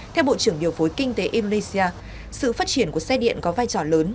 theo bộ trưởng điều phối kinh tế indonesia sự phát triển của xe điện có vai trò lớn